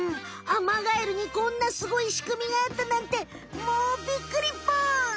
アマガエルにこんなすごいしくみがあったなんてもうビックリポン！